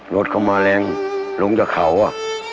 รถเขามาแรงลงจากเขาอ่ะ